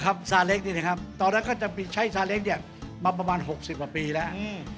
อ๋อครับซาเล้งนี่นะครับตอนนั้นก็จะมีใช้ซาเล้งเนี่ยมาประมาณ๖๐ปีแล้ว